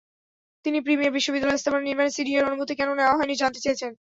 তিনি প্রিমিয়ার বিশ্ববিদ্যালয়ের স্থাপনা নির্মাণে সিডিএর অনুমতি কেন নেওয়া হয়নি, জানতে চেয়েছেন।